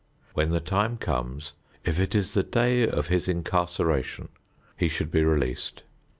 When the time comes, if it is the day of his incarceration, he should be released.